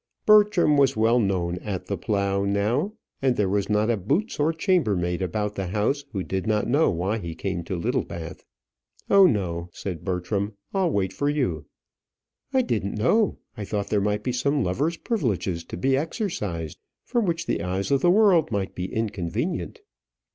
Bertram was well known at the "Plough" now, and there was not a boots or chambermaid about the house who did not know why he came to Littlebath. "Oh, no," said Bertram, "I'll wait for you." "I didn't know; I thought there might be some lovers' privileges to be exercised, for which the eyes of the world might be inconvenient."